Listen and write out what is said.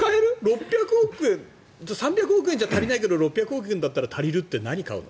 ６００億円３００億円だったら足りないけど６００億円だったら足りるって何買うの？